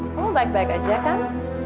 kamu baik baik aja kan